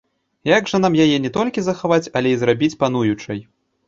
Як жа нам яе не толькі захаваць, але і зрабіць пануючай?